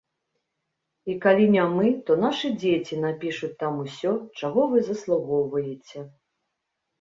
І калі не мы, то нашы дзеці напішуць там усё, чаго вы заслугоўваеце.